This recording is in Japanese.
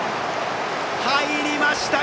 入りました！